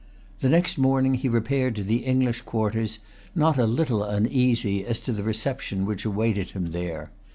The next morning he repaired to the English quarters, not a little uneasy as to the reception which awaited him there.